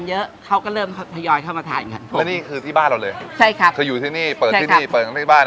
คืออยู่ที่นี่เปิดที่นี่เปิดกันที่บ้านเนี่ยแหละ